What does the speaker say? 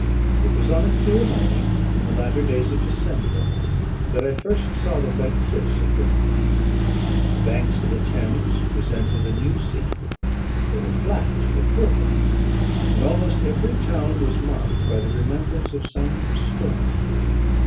It was on a clear morning, in the latter days of December, that I first saw the white cliffs of Britain. The banks of the Thames presented a new scene; they were flat, but fertile, and almost every town was marked by the remembrance of some story.